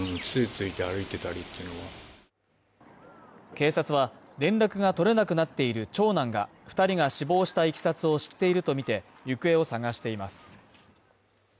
警察は連絡が取れなくなっている長男が、２人が死亡したいきさつを知っているとみて行方を捜しています。